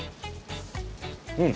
うん。